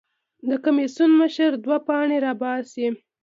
د کمېسیون مشر دوه پاڼې راباسي.